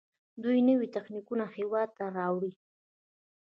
دوی نوي تخنیکونه هیواد ته راوړي.